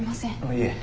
いえ。